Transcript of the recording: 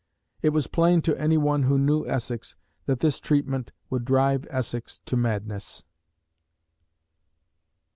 It was plain to any one who knew Essex that this treatment would drive Essex to madness.